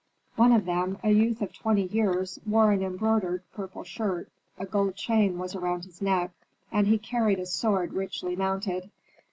One of them, a youth of twenty years, wore an embroidered purple shirt, a gold chain was around his neck, and he carried a sword richly mounted.